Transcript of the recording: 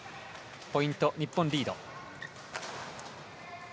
ポイント、日本がリード。